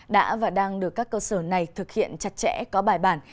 đã và đang được các cơ sở này thực hiện chặt chẽ có bài bản